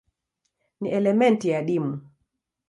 Ni elementi adimu.